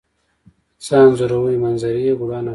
څه انځوروئ؟ منظرې، ګلان او خلک